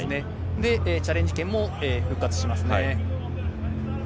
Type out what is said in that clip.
で、チャレンジ権も復活しますね。